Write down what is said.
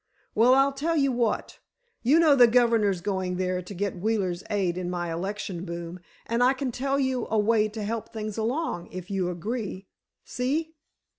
"Well, I'll tell you what. You know the governor's going there to get Wheeler's aid in my election boom, and I can tell you a way to help things along, if you agree. See?"